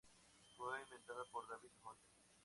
Fue inventada por David Holden.